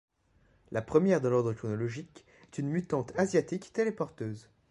La première dans l'ordre chronologique est une mutante asiatique téléporteuse.